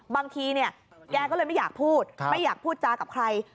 บางทีเนี่ยแกก็เลยไม่อยากพูดไม่อยากพูดจากับใคร